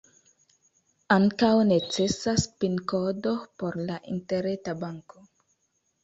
Ankaŭ necesas pin-kodo por la interreta banko.